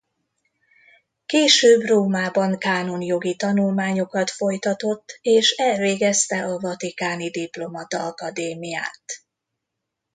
Később Rómában kánonjogi tanulmányokat folytatott és elvégezte a vatikáni diplomata akadémiát.